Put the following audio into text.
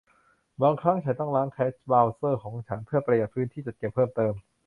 บางครั้งฉันต้องล้างแคชเบราว์เซอร์ของฉันเพื่อประหยัดพื้นที่จัดเก็บเพิ่มเติม